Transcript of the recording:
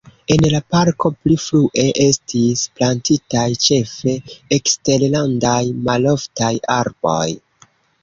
En la parko pli frue estis plantitaj ĉefe eksterlandaj maloftaj arboj.